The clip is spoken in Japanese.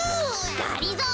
がりぞー